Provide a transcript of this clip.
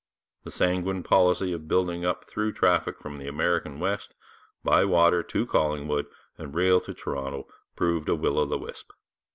The sanguine policy of building up a through traffic from the American West, by water to Collingwood and rail to Toronto, proved a will o' the wisp.